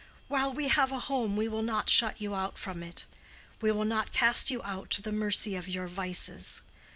While we have a home we will not shut you out from it. We will not cast you out to the mercy of your vices.